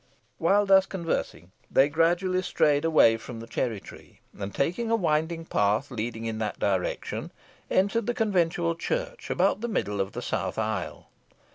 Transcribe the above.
While thus conversing, they gradually strayed away from the cherry tree, and taking a winding path leading in that direction, entered the conventual church, about the middle of the south aisle.